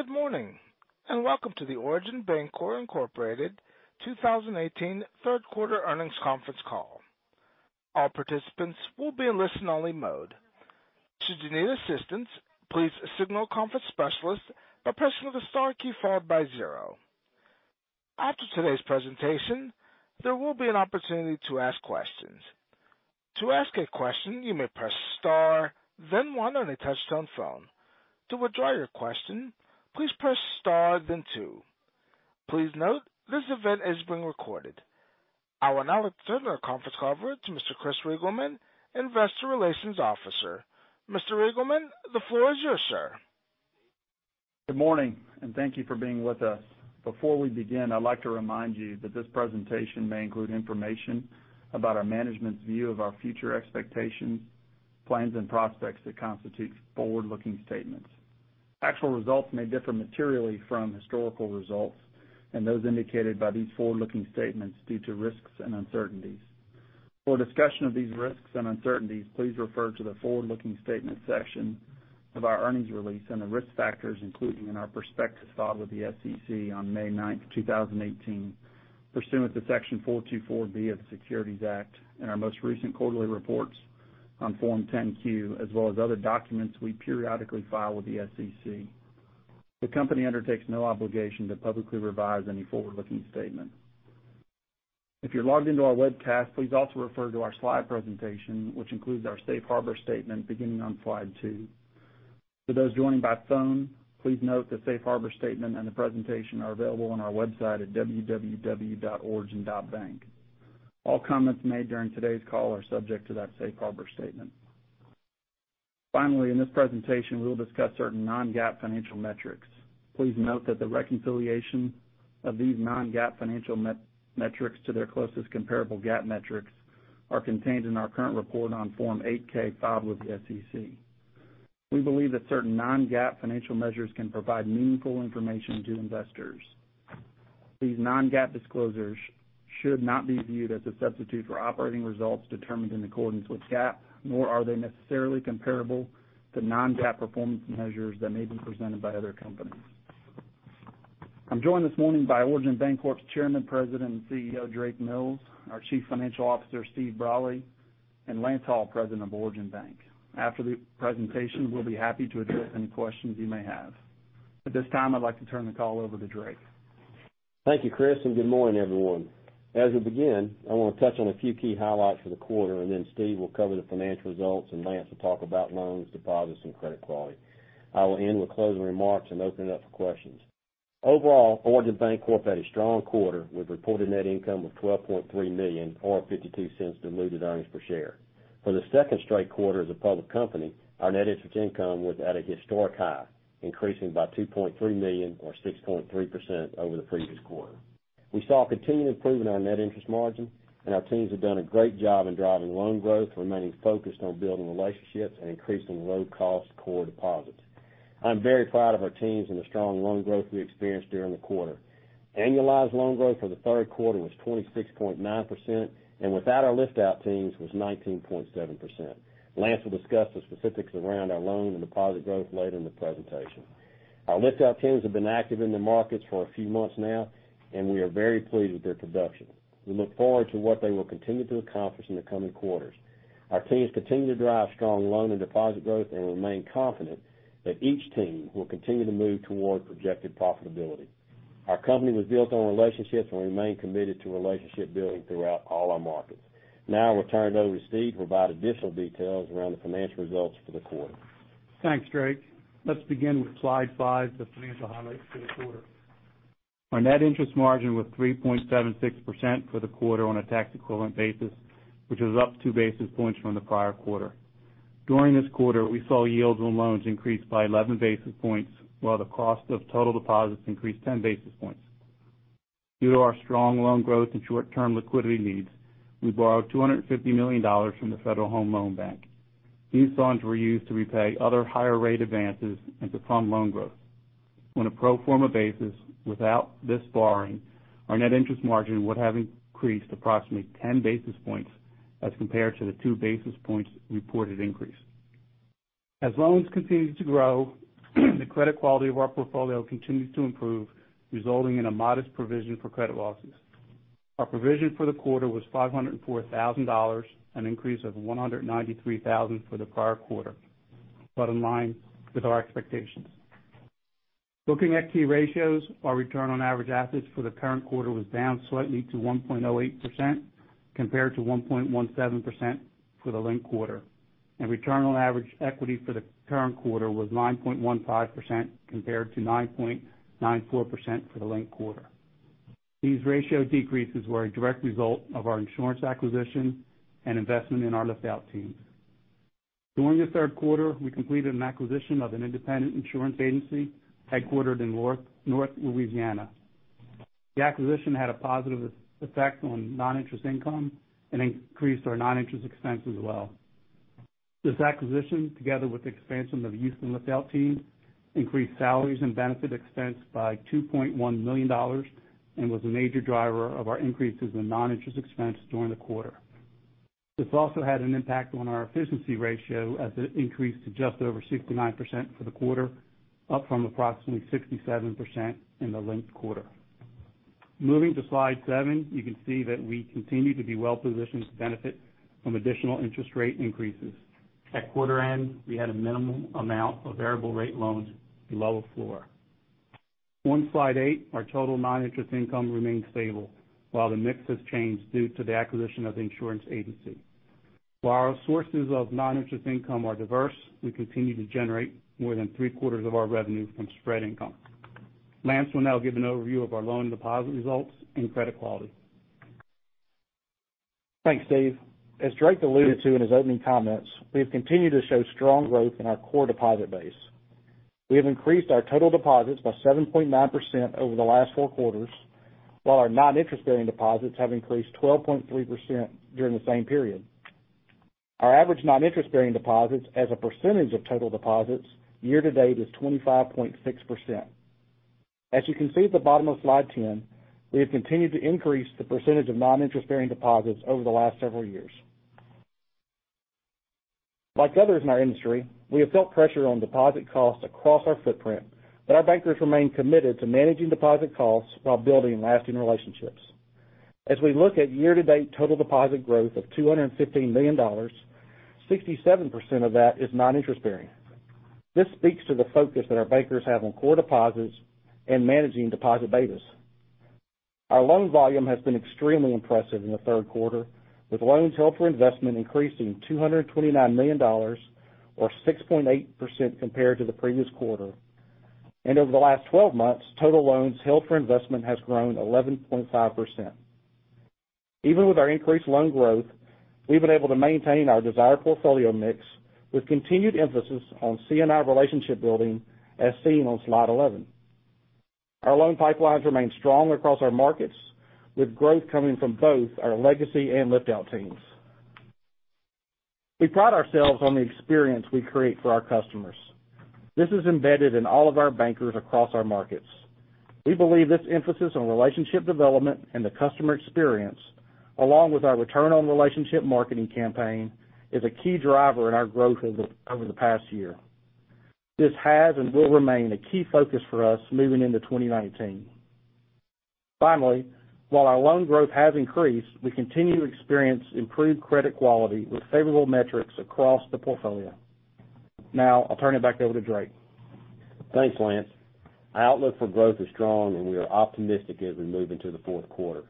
Good morning, and welcome to the Origin Bancorp Incorporated 2018 third quarter earnings conference call. All participants will be in listen-only mode. Should you need assistance, please signal a conference specialist by pressing the star key followed by zero. After today's presentation, there will be an opportunity to ask questions. To ask a question, you may press star then one on a touch-tone phone. To withdraw your question, please press star then two. Please note, this event is being recorded. I will now turn our conference over to Mr. Chris Reigelman, Investor Relations Officer. Mr. Reigelman, the floor is yours, sir. Good morning, and thank you for being with us. Before we begin, I'd like to remind you that this presentation may include information about our management's view of our future expectations, plans, and prospects that constitute forward-looking statements. Actual results may differ materially from historical results and those indicated by these forward-looking statements due to risks and uncertainties. For a discussion of these risks and uncertainties, please refer to the forward-looking statements section of our earnings release and the risk factors included in our prospectus filed with the SEC on May ninth, 2018, pursuant to Rule 424(b) of the Securities Act and our most recent quarterly reports on Form 10-Q, as well as other documents we periodically file with the SEC. The company undertakes no obligation to publicly revise any forward-looking statement. If you're logged into our webcast, please also refer to our slide presentation, which includes our safe harbor statement beginning on slide two. For those joining by phone, please note the safe harbor statement and the presentation are available on our website at www.origin.bank. All comments made during today's call are subject to that safe harbor statement. Finally, in this presentation, we will discuss certain non-GAAP financial metrics. Please note that the reconciliation of these non-GAAP financial metrics to their closest comparable GAAP metrics are contained in our current report on Form 8-K filed with the SEC. We believe that certain non-GAAP financial measures can provide meaningful information to investors. These non-GAAP disclosures should not be viewed as a substitute for operating results determined in accordance with GAAP, nor are they necessarily comparable to non-GAAP performance measures that may be presented by other companies. I'm joined this morning by Origin Bancorp's Chairman, President, and CEO, Drake Mills, our Chief Financial Officer, Steve Brolly, and Lance Hall, President of Origin Bank. After the presentation, we'll be happy to address any questions you may have. At this time, I'd like to turn the call over to Drake. Thank you, Chris, and good morning, everyone. As we begin, I want to touch on a few key highlights for the quarter. Stephen will cover the financial results, and Lance will talk about loans, deposits, and credit quality. I will end with closing remarks and open it up for questions. Overall, Origin Bancorp had a strong quarter with reported net income of $12.3 million or $0.52 diluted earnings per share. For the second straight quarter as a public company, our net interest income was at a historic high, increasing by $2.3 million or 6.3% over the previous quarter. We saw continued improvement on our net interest margin, and our teams have done a great job in driving loan growth, remaining focused on building relationships, and increasing low-cost core deposits. I'm very proud of our teams and the strong loan growth we experienced during the quarter. Annualized loan growth for the third quarter was 26.9%, and without our lift-out teams, was 19.7%. Lance will discuss the specifics around our loan and deposit growth later in the presentation. Our lift-out teams have been active in the markets for a few months now, and we are very pleased with their production. We look forward to what they will continue to accomplish in the coming quarters. Our teams continue to drive strong loan and deposit growth and remain confident that each team will continue to move toward projected profitability. Our company was built on relationships, and we remain committed to relationship building throughout all our markets. I will turn it over to Stephen to provide additional details around the financial results for the quarter. Thanks, Drake. Let's begin with slide five, the financial highlights for the quarter. Our net interest margin was 3.76% for the quarter on a tax-equivalent basis, which was up two basis points from the prior quarter. During this quarter, we saw yields on loans increase by 11 basis points, while the cost of total deposits increased 10 basis points. Due to our strong loan growth and short-term liquidity needs, we borrowed $250 million from the Federal Home Loan Bank. These loans were used to repay other higher rate advances and to fund loan growth. On a pro forma basis, without this borrowing, our net interest margin would have increased approximately 10 basis points as compared to the two basis points reported increase. As loans continue to grow, the credit quality of our portfolio continues to improve, resulting in a modest provision for credit losses. Our provision for the quarter was $504,000, an increase of $193,000 for the prior quarter, but in line with our expectations. Looking at key ratios, our return on average assets for the current quarter was down slightly to 1.08% compared to 1.17% for the linked quarter, and return on average equity for the current quarter was 9.15% compared to 9.94% for the linked quarter. These ratio decreases were a direct result of our insurance acquisition and investment in our lift-out teams. During the third quarter, we completed an acquisition of an independent insurance agency headquartered in North Louisiana. The acquisition had a positive effect on non-interest income and increased our non-interest expense as well. This acquisition, together with the expansion of the Houston lift-out team, increased salaries and benefit expense by $2.1 million and was a major driver of our increases in non-interest expense during the quarter. This also had an impact on our efficiency ratio as it increased to just over 69% for the quarter, up from approximately 67% in the linked quarter. Moving to slide seven, you can see that we continue to be well-positioned to benefit from additional interest rate increases. At quarter end, we had a minimal amount of variable rate loans below the floor. On slide eight, our total non-interest income remains stable, while the mix has changed due to the acquisition of the insurance agency. While our sources of non-interest income are diverse, we continue to generate more than three-quarters of our revenue from spread income. Lance will now give an overview of our loan deposit results and credit quality. Thanks, Steve. As Drake alluded to in his opening comments, we have continued to show strong growth in our core deposit base. We have increased our total deposits by 7.9% over the last four quarters, while our non-interest-bearing deposits have increased 12.3% during the same period. Our average non-interest-bearing deposits as a percentage of total deposits year-to-date is 25.6%. As you can see at the bottom of slide 10, we have continued to increase the percentage of non-interest-bearing deposits over the last several years. Like others in our industry, we have felt pressure on deposit costs across our footprint, but our bankers remain committed to managing deposit costs while building lasting relationships. As we look at year-to-date total deposit growth of $215 million, 67% of that is non-interest-bearing. This speaks to the focus that our bankers have on core deposits and managing deposit betas. Our loan volume has been extremely impressive in the third quarter, with loans held for investment increasing $229 million, or 6.8% compared to the previous quarter. Over the last 12 months, total loans held for investment has grown 11.5%. Even with our increased loan growth, we've been able to maintain our desired portfolio mix with continued emphasis on C&I relationship building, as seen on slide 11. Our loan pipelines remain strong across our markets, with growth coming from both our legacy and lift-out teams. We pride ourselves on the experience we create for our customers. This is embedded in all of our bankers across our markets. We believe this emphasis on relationship development and the customer experience, along with our return on relationship marketing campaign, is a key driver in our growth over the past year. This has and will remain a key focus for us moving into 2019. While our loan growth has increased, we continue to experience improved credit quality with favorable metrics across the portfolio. I'll turn it back over to Drake. Thanks, Lance. Our outlook for growth is strong. We are optimistic as we move into the fourth quarter.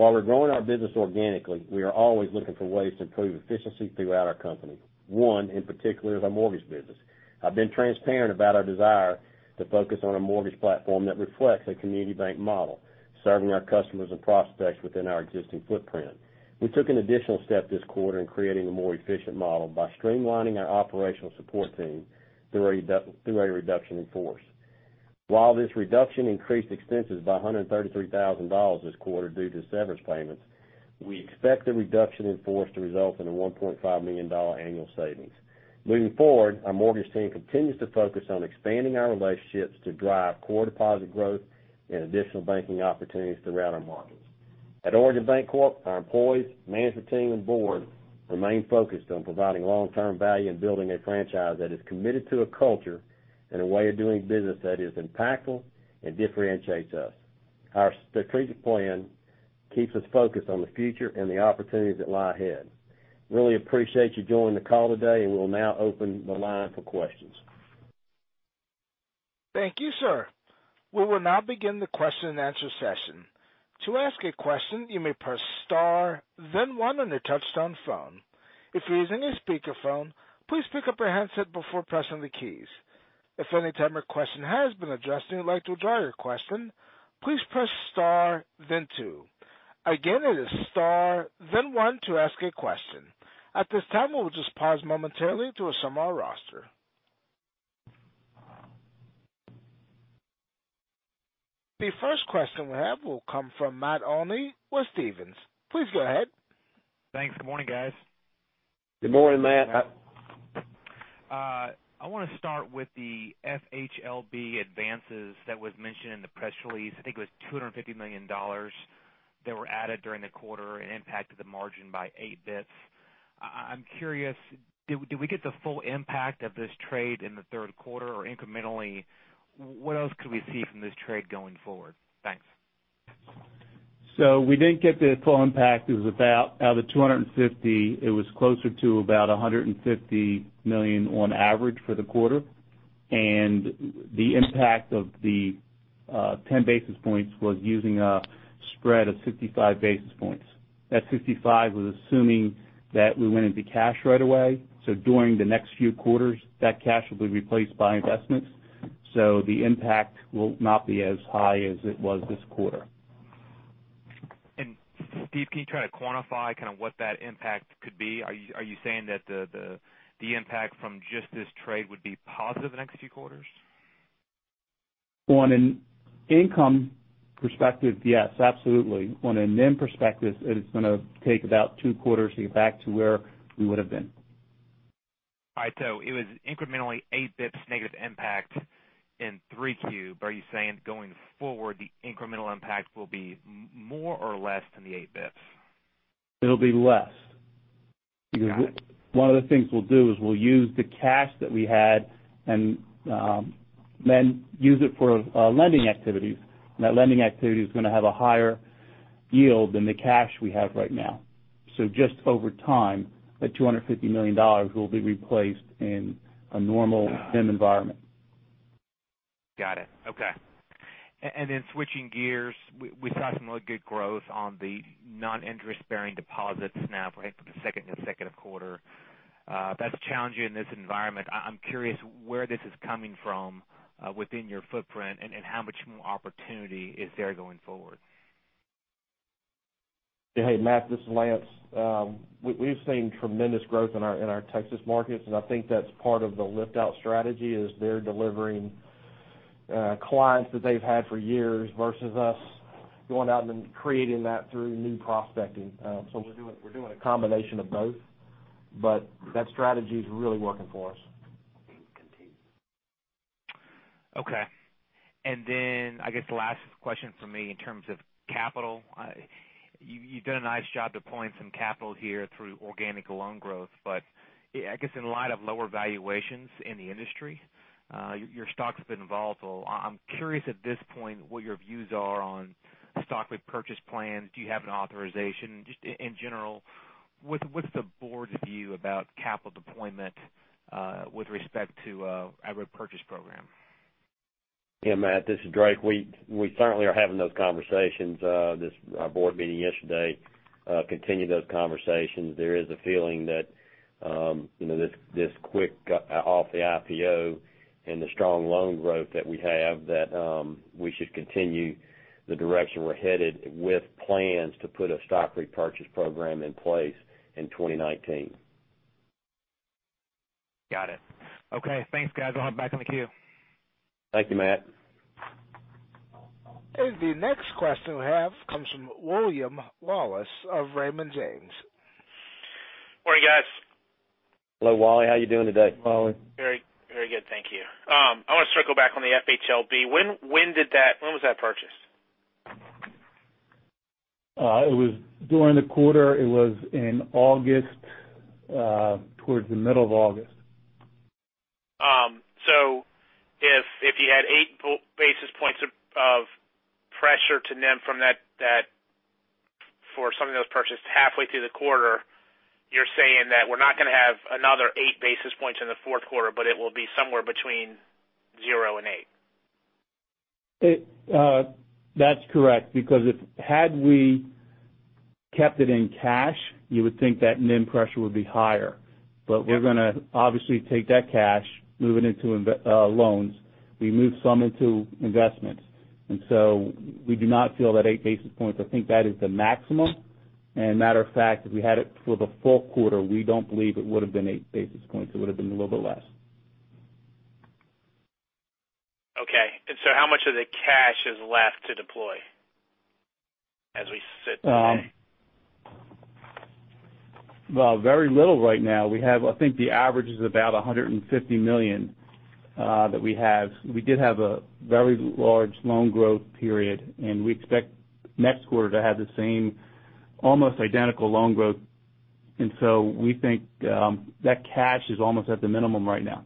While we're growing our business organically, we are always looking for ways to improve efficiency throughout our company. One, in particular, is our mortgage business. I've been transparent about our desire to focus on a mortgage platform that reflects a community bank model, serving our customers and prospects within our existing footprint. We took an additional step this quarter in creating a more efficient model by streamlining our operational support team through a reduction in force. While this reduction increased expenses by $133,000 this quarter due to severance payments, we expect the reduction in force to result in a $1.5 million annual savings. Moving forward, our mortgage team continues to focus on expanding our relationships to drive core deposit growth and additional banking opportunities throughout our markets. At Origin Bancorp, our employees, management team, and board remain focused on providing long-term value in building a franchise that is committed to a culture and a way of doing business that is impactful and differentiates us. Our strategic plan keeps us focused on the future and the opportunities that lie ahead. Really appreciate you joining the call today. We'll now open the line for questions. Thank you, sir. We will now begin the question and answer session. To ask a question, you may press star then one on your touchtone phone. If you're using a speakerphone, please pick up your handset before pressing the keys. If any type of question has been addressed and you'd like to withdraw your question, please press star then two. Again, it is star then one to ask a question. At this time, we will just pause momentarily to assemble our roster. The first question we have will come from Matt Olney with Stephens. Please go ahead. Thanks. Good morning, guys. Good morning, Matt. I want to start with the FHLB advances that was mentioned in the press release. I think it was $250 million that were added during the quarter and impacted the margin by eight basis points. I'm curious, did we get the full impact of this trade in the third quarter or incrementally, what else could we see from this trade going forward? Thanks. We did get the full impact. It was about out of 250, it was closer to about $150 million on average for the quarter. The impact of the 10 basis points was using a spread of 55 basis points. That 55 was assuming that we went into cash right away. During the next few quarters, that cash will be replaced by investments. The impact will not be as high as it was this quarter. Steve, can you try to quantify kind of what that impact could be? Are you saying that the impact from just this trade would be positive the next few quarters? On an income perspective, yes, absolutely. On a NIM perspective, it is going to take about two quarters to get back to where we would have been. All right. It was incrementally eight basis points negative impact in 3Q, but are you saying going forward the incremental impact will be more or less than the eight basis points? It'll be less. Got it. One of the things we'll do is we'll use the cash that we had and then use it for lending activities. That lending activity is going to have a higher yield than the cash we have right now. Just over time, that $250 million will be replaced in a normal NIM environment. Got it. Okay. Switching gears, we saw some really good growth on the non-interest-bearing deposits now for the second consecutive quarter. That's challenging in this environment. I'm curious where this is coming from within your footprint and how much more opportunity is there going forward. Hey, Matt, this is Lance. We've seen tremendous growth in our Texas markets, I think that's part of the lift-out strategy is they're delivering clients that they've had for years versus us going out and creating that through new prospecting. We're doing a combination of both, but that strategy is really working for us. Okay. I guess the last question from me in terms of capital. You've done a nice job deploying some capital here through organic loan growth, but I guess in light of lower valuations in the industry, your stock's been volatile. I'm curious at this point what your views are on stock repurchase plans. Do you have an authorization? Just in general, what's the board's view about capital deployment with respect to a repurchase program? Yeah, Matt, this is Drake. We certainly are having those conversations. Our board meeting yesterday continued those conversations. There is a feeling that this quick off the IPO and the strong loan growth that we have, that we should continue the direction we're headed with plans to put a stock repurchase program in place in 2019. Got it. Okay, thanks, guys. I'll hop back on the queue. Thank you, Matt. The next question we have comes from William Wallace of Raymond James. Morning, guys. Hello, Wally. How you doing today? Wally. Very good, thank you. I want to circle back on the FHLB. When was that purchased? During the quarter, it was in August, towards the middle of August. If you had eight basis points of pressure to NIM from that for some of those purchases halfway through the quarter, you're saying that we're not going to have another eight basis points in the fourth quarter, but it will be somewhere between zero and eight. That's correct, because if had we kept it in cash, you would think that NIM pressure would be higher. We're going to obviously take that cash, move it into loans. We moved some into investments, we do not feel that eight basis points. I think that is the maximum. Matter of fact, if we had it for the full quarter, we don't believe it would've been eight basis points. It would've been a little bit less. Okay. How much of the cash is left to deploy as we sit today? Well, very little right now. We have, I think the average is about $150 million that we have. We did have a very large loan growth period, we expect next quarter to have the same almost identical loan growth. We think that cash is almost at the minimum right now.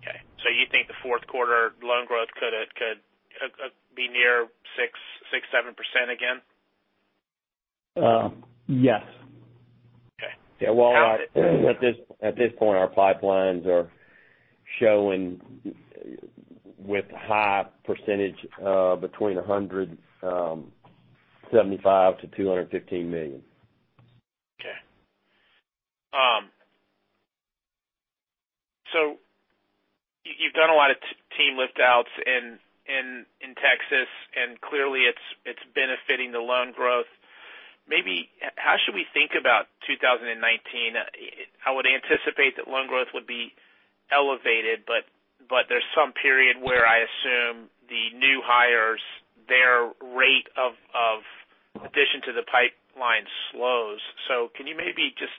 Okay. You think the fourth quarter loan growth could be near 6%-7% again? Yes. Okay. Yeah, Wally, at this point, our pipelines are showing with high percentage of between $175 million-$215 million. Okay. You've done a lot of team lift-outs in Texas, and clearly it's benefiting the loan growth. Maybe how should we think about 2019? I would anticipate that loan growth would be elevated, but there's some period where I assume the new hires, their rate of addition to the pipeline slows. Can you maybe just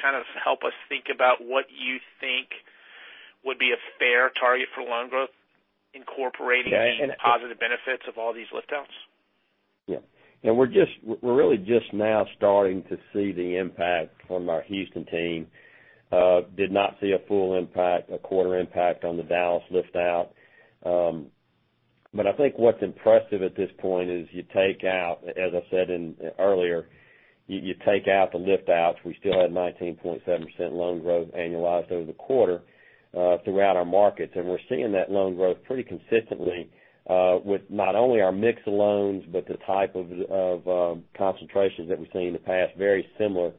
kind of help us think about what you think would be a fair target for loan growth incorporating the positive benefits of all these lift-outs? We're really just now starting to see the impact from our Houston team. Did not see a full impact, a quarter impact on the Dallas lift-out. I think what's impressive at this point is you take out, as I said earlier, you take out the lift-outs, we still had 19.7% loan growth annualized over the quarter throughout our markets. We're seeing that loan growth pretty consistently with not only our mix of loans, but the type of concentrations that we've seen in the past, very similar.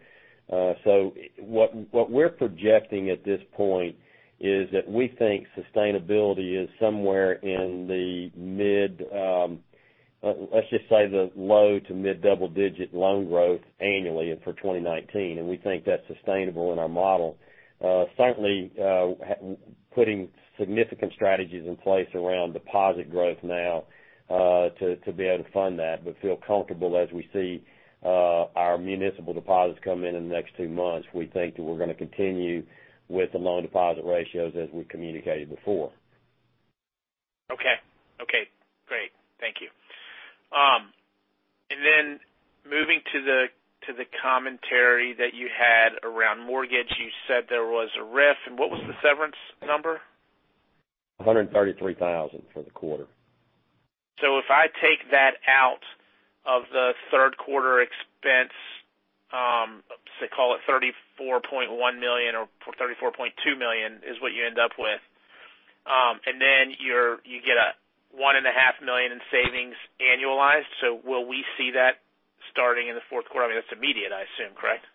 What we're projecting at this point is that we think sustainability is somewhere in the low to mid double digit loan growth annually for 2019. We think that's sustainable in our model. Certainly, putting significant strategies in place around deposit growth now to be able to fund that, but feel comfortable as we see our municipal deposits come in the next two months. We think that we're going to continue with the loan deposit ratios as we communicated before. Okay, great. Thank you. Moving to the commentary that you had around mortgage, you said there was a RIF. What was the severance number? $133,000 for the quarter. If I take that out of the third quarter expense, say call it $34.1 million or $34.2 million is what you end up with. You get a $1.5 million in savings annualized. Will we see that starting in the fourth quarter? I mean, that's immediate, I assume, correct?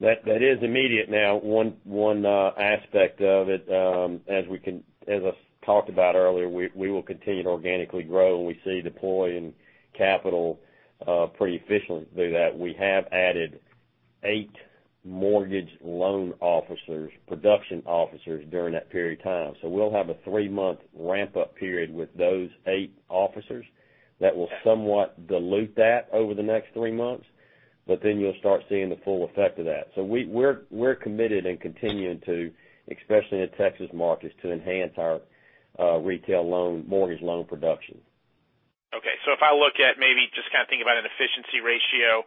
That is immediate. Now, one aspect of it, as I talked about earlier, we will continue to organically grow, and we see deploying capital pretty efficiently through that. We have added eight mortgage loan officers, production officers during that period of time. We'll have a three-month ramp-up period with those eight officers that will somewhat dilute that over the next three months, you'll start seeing the full effect of that. We're committed and continuing to, especially in the Texas markets, to enhance our retail loan, mortgage loan production. Okay. If I look at maybe just kind of thinking about an efficiency ratio,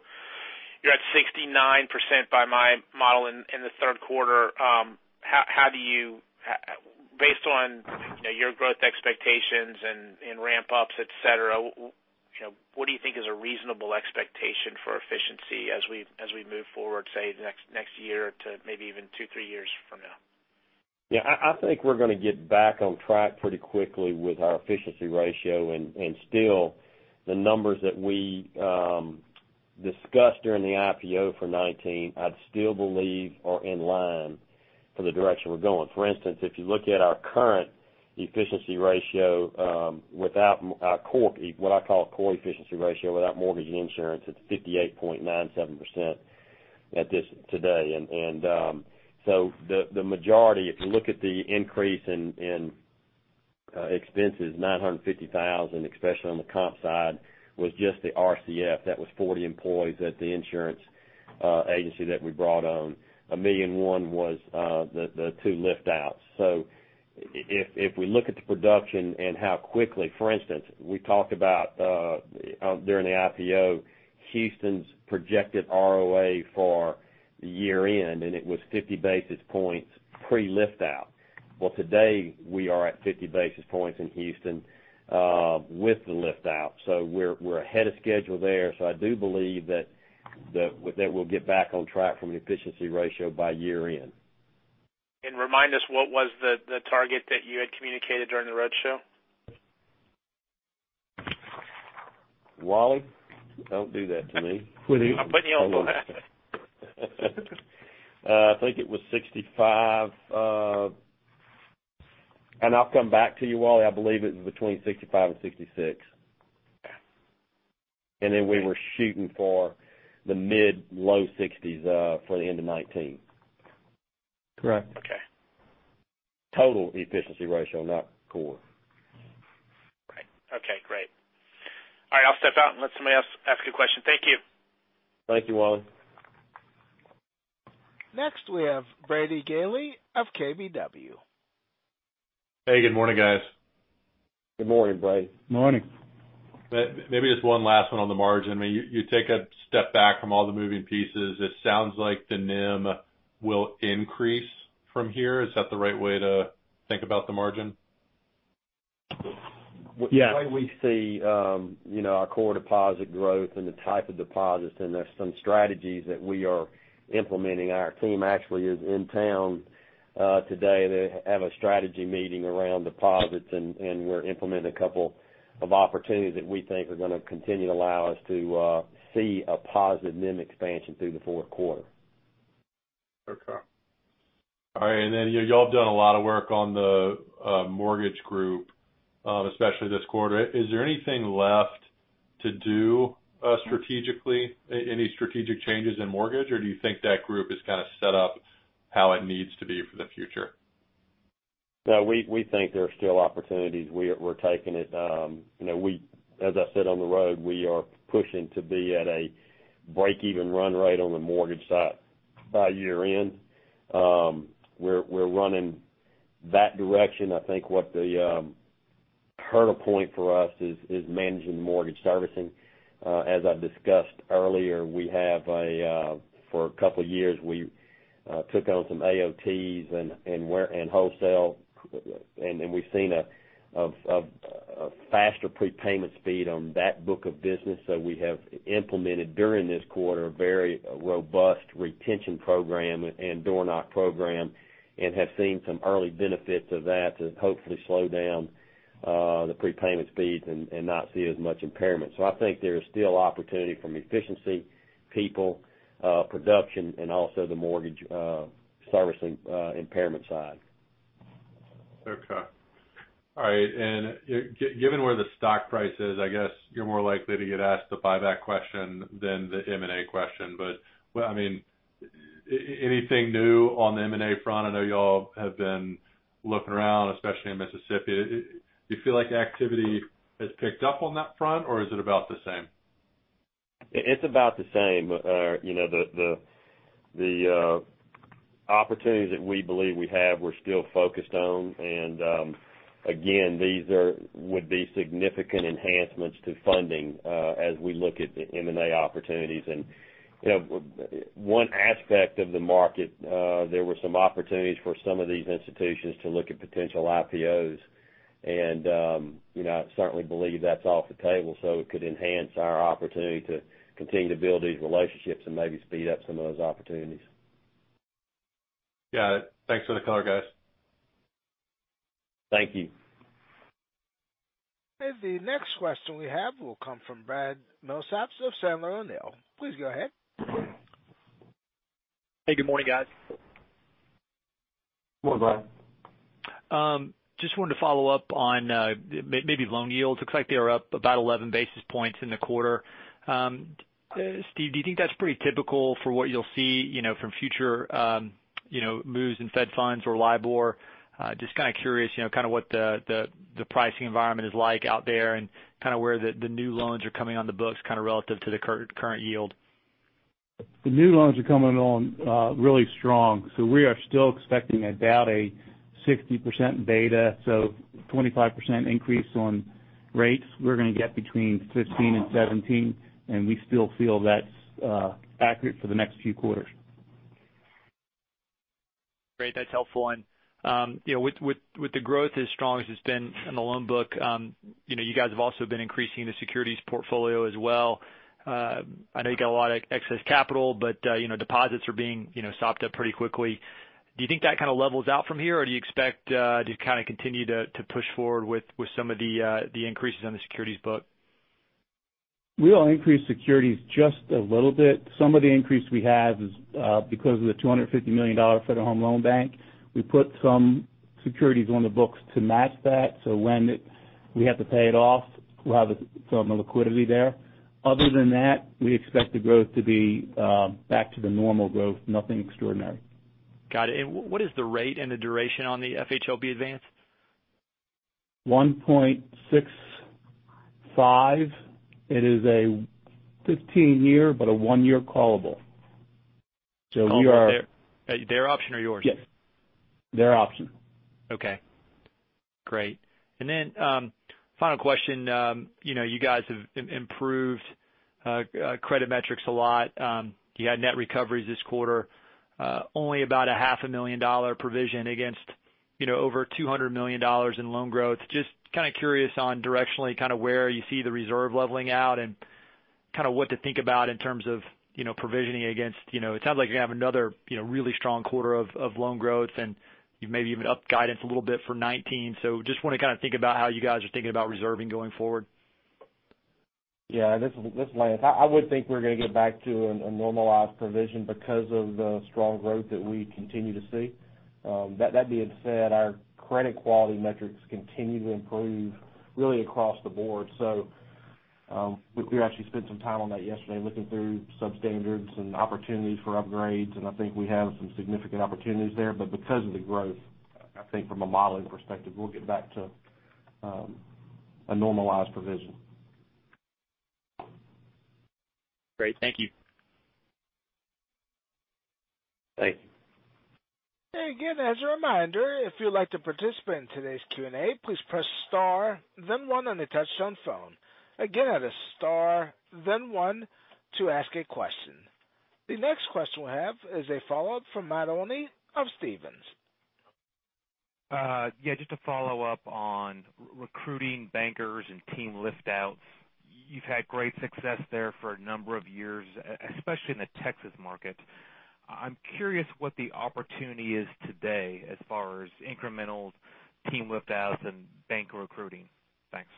you're at 69% by my model in the third quarter. Based on your growth expectations and ramp-ups, et cetera, what do you think is a reasonable expectation for efficiency as we move forward, say, next year to maybe even two, three years from now? Yeah. I think we're going to get back on track pretty quickly with our efficiency ratio. Still, the numbers that we discussed during the IPO for 2019, I'd still believe are in line for the direction we're going. For instance, if you look at our current efficiency ratio, what I call a core efficiency ratio without mortgage and insurance, it's 58.97% today. The majority, if you look at the increase in expenses, $950,000, especially on the comp side, was just the RCF. That was 40 employees at the insurance agency that we brought on. $1.1 million was the two lift-outs. If we look at the production and how quickly, for instance, we talked about during the IPO, Houston's projected ROA for year-end, and it was 50 basis points pre-lift out. Well, today we are at 50 basis points in Houston with the lift out. We're ahead of schedule there, I do believe that we'll get back on track from the efficiency ratio by year-end. Remind us, what was the target that you had communicated during the roadshow? Wally, don't do that to me. I'm putting you on the spot. I think it was 65. I'll come back to you, Wally. I believe it was between 65 and 66. We were shooting for the mid, low 60s for the end of 2019. Correct. Okay. Total efficiency ratio, not core. Right. Okay, great. All right, I'll step out and let somebody else ask a question. Thank you. Thank you, Wally. Next we have Brady Gailey of KBW. Hey, good morning, guys. Good morning, Brady. Morning. Maybe just one last one on the margin. You take a step back from all the moving pieces, it sounds like the NIM will increase from here. Is that the right way to think about the margin? Yes. The way we see our core deposit growth and the type of deposits, there's some strategies that we are implementing. Our team actually is in town today. They have a strategy meeting around deposits, we're implementing a couple of opportunities that we think are going to continue to allow us to see a positive NIM expansion through the fourth quarter. Okay. All right. You all have done a lot of work on the mortgage group, especially this quarter. Is there anything left to do strategically, any strategic changes in mortgage, or do you think that group is kind of set up how it needs to be for the future? No, we think there are still opportunities. As I said on the road, we are pushing to be at a break-even run rate on the mortgage side by year-end. We're running that direction. I think what the hurdle point for us is managing the mortgage servicing. As I've discussed earlier, for a couple of years, we took on some AOTs and wholesale, we've seen a faster prepayment speed on that book of business. We have implemented during this quarter, a very robust retention program and door knock program and have seen some early benefits of that to hopefully slow down the prepayment speed and not see as much impairment. I think there is still opportunity from efficiency, people, production, and also the mortgage servicing impairment side. Okay. All right. Given where the stock price is, I guess you're more likely to get asked the buyback question than the M&A question. Anything new on the M&A front? I know you all have been looking around, especially in Mississippi. Do you feel like the activity has picked up on that front, or is it about the same? It's about the same. The opportunities that we believe we have, we're still focused on. Again, these would be significant enhancements to funding as we look at the M&A opportunities. One aspect of the market, there were some opportunities for some of these institutions to look at potential IPOs, I certainly believe that's off the table, it could enhance our opportunity to continue to build these relationships and maybe speed up some of those opportunities. Got it. Thanks for the color, guys. Thank you. The next question we have will come from Brad Milsaps of Sandler O'Neill. Please go ahead. Hey, good morning, guys. Good morning, Brad. Just wanted to follow up on maybe loan yields. Looks like they are up about 11 basis points in the quarter. Stephen, do you think that's pretty typical for what you'll see from future moves in Federal funds or LIBOR? Just kind of curious, kind of what the pricing environment is like out there and kind of where the new loans are coming on the books, kind of relative to the current yield. The new loans are coming on really strong. We are still expecting about a 60% beta, 25% increase on rates. We're going to get between 15 and 17, and we still feel that's accurate for the next few quarters. Great. That's helpful. With the growth as strong as it's been in the loan book, you guys have also been increasing the securities portfolio as well. I know you got a lot of excess capital, but deposits are being sopped up pretty quickly. Do you think that kind of levels out from here, or do you expect to kind of continue to push forward with some of the increases on the securities book? We'll increase securities just a little bit. Some of the increase we have is because of the $250 million Federal Home Loan Bank. We put some securities on the books to match that, so when we have to pay it off, we'll have some liquidity there. Other than that, we expect the growth to be back to the normal growth. Nothing extraordinary. Got it. What is the rate and the duration on the FHLB advance? 1.65. It is a 15-year, but a one-year callable. Their option or yours? Yes. Their option. Okay, great. Final question. You guys have improved credit metrics a lot. You had net recoveries this quarter only about a half a million dollar provision against over $200 million in loan growth. Just kind of curious on directionally kind of where you see the reserve leveling out and kind of what to think about in terms of provisioning against. It sounds like you have another really strong quarter of loan growth and you've maybe even upped guidance a little bit for 2019. Just want to kind of think about how you guys are thinking about reserving going forward. Yeah, this is Lance. I would think we're going to get back to a normalized provision because of the strong growth that we continue to see. That being said, our credit quality metrics continue to improve really across the board. We actually spent some time on that yesterday looking through substandards and opportunities for upgrades, and I think we have some significant opportunities there. Because of the growth, I think from a modeling perspective, we'll get back to a normalized provision. Great. Thank you. Thank you. Again, as a reminder, if you'd like to participate in today's Q&A, please press star then one on a touch-tone phone. Again, that is star then one to ask a question. The next question we'll have is a follow-up from Matt Olney of Stephens. Yeah, just to follow up on recruiting bankers and team lift outs. You've had great success there for a number of years, especially in the Texas market. I'm curious what the opportunity is today as far as incremental team lift outs and bank recruiting. Thanks.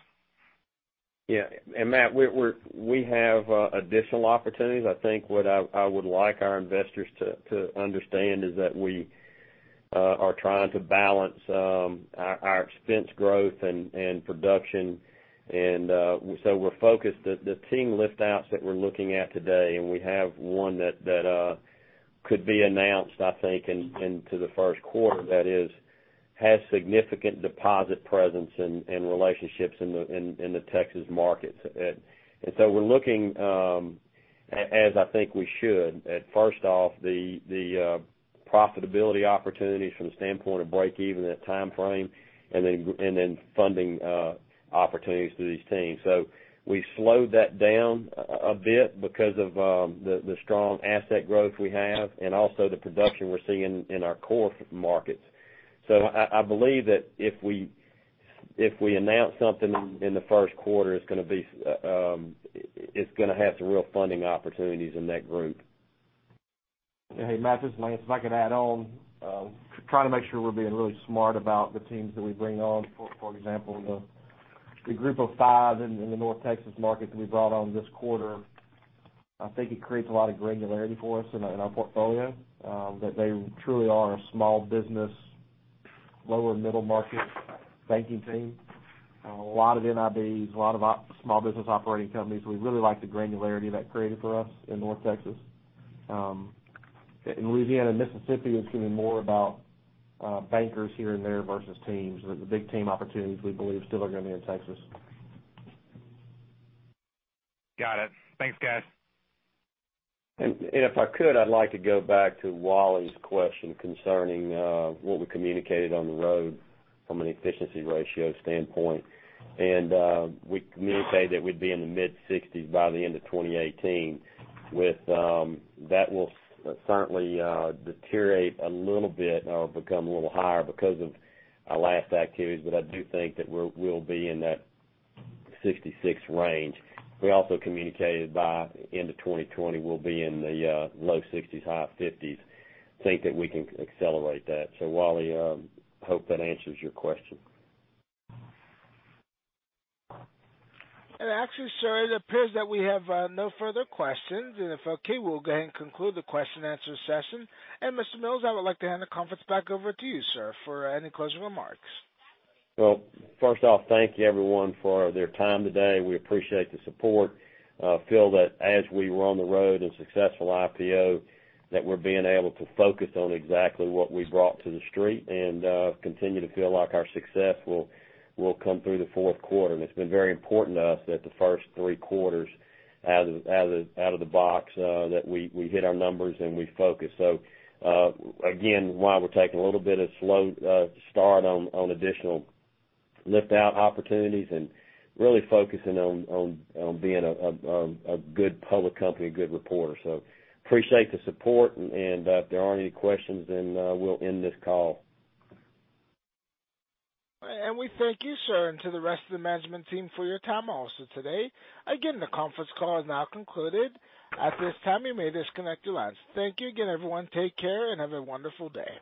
Matt, we have additional opportunities. I think what I would like our investors to understand is that we are trying to balance our expense growth and production. We're focused. The team lift outs that we're looking at today, and we have one that could be announced, I think, into the first quarter that has significant deposit presence and relationships in the Texas markets. We're looking, as I think we should, at first off, the profitability opportunities from the standpoint of break even, that time frame, and then funding opportunities through these teams. We slowed that down a bit because of the strong asset growth we have and also the production we're seeing in our core markets. I believe that if we announce something in the first quarter, it's going to have some real funding opportunities in that group. Hey, Matt, this is Lance. If I could add on, trying to make sure we're being really smart about the teams that we bring on. For example, the group of five in the North Texas market that we brought on this quarter, I think it creates a lot of granularity for us in our portfolio, that they truly are a small business, lower middle market banking team. A lot of Non-interest-bearing, a lot of small business operating companies. We really like the granularity that created for us in North Texas. In Louisiana and Mississippi, it's going to be more about bankers here and there versus teams. The big team opportunities, we believe, still are going to be in Texas. Got it. Thanks, guys. If I could, I'd like to go back to Wally's question concerning what we communicated on the road from an efficiency ratio standpoint. We communicated that we'd be in the mid-60s by the end of 2018. That will certainly deteriorate a little bit or become a little higher because of our last activities, but I do think that we'll be in that 66 range. We also communicated by end of 2020, we'll be in the low 60s, high 50s. Think that we can accelerate that. Wally, hope that answers your question. Actually, sir, it appears that we have no further questions. If okay, we'll go ahead and conclude the question and answer session. Mr. Mills, I would like to hand the conference back over to you, sir, for any closing remarks. Well, first off, thank you everyone for their time today. We appreciate the support. Feel that as we were on the road in a successful IPO, that we're being able to focus on exactly what we brought to The Street, and continue to feel like our success will come through the fourth quarter. It's been very important to us that the first three quarters out of the box, that we hit our numbers and we focus. Again, why we're taking a little bit of slow start on additional lift-out opportunities and really focusing on being a good public company, a good reporter. Appreciate the support and if there aren't any questions, then we'll end this call. We thank you, sir, and to the rest of the management team for your time also today. Again, the conference call is now concluded. At this time, you may disconnect your lines. Thank you again, everyone. Take care, and have a wonderful day.